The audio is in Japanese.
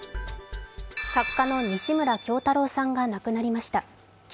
作家の西村京太郎さんが亡くなりました。